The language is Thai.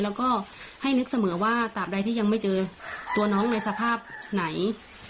แล้วก็ให้นึกเสมอว่าตามใดที่ยังไม่เจอตัวน้องในสภาพไหน